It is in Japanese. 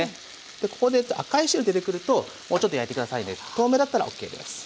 でここで赤い汁出てくるともうちょっと焼いて下さいで透明だったらＯＫです。